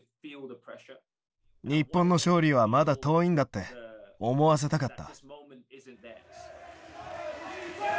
日本の勝利はまだ遠いんだって思わせたかった。